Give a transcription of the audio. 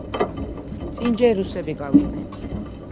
წინ ჯერ რუსები გავიდნენ.